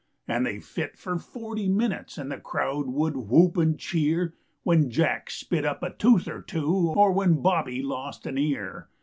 And they fit for forty minutes And the crowd would whoop and cheer When Jack spit up a tooth or two, Or when Bobby lost an ear.